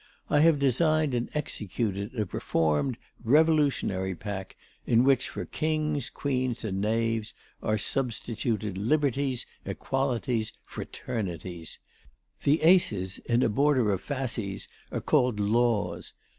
I have designed and executed a reformed, Revolutionary pack in which for kings, queens, and knaves are substituted Liberties, Equalities, Fraternities; the aces in a border of fasces, are called Laws....